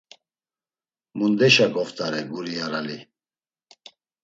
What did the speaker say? Mundeşa goftare guri yarali